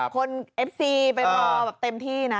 คนเอฟซีไปรอเต็มที่นะ